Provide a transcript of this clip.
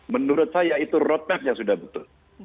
menurut saya itu roadmap yang sudah betul